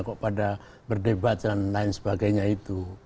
kok pada berdebat dan lain sebagainya itu